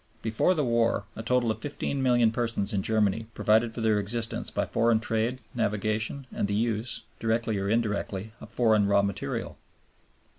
Before the war a total of fifteen million persons in Germany provided for their existence by foreign trade, navigation, and the use, directly or indirectly, of foreign raw material."